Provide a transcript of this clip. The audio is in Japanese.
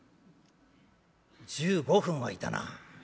「１５分はいたな。